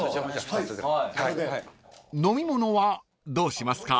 ［飲み物はどうしますか？］